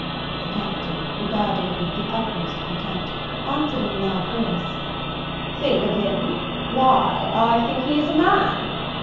The Captain, regarding him with the utmost contempt, answered in a loud voice, "Think of him! why, I think he is a man!"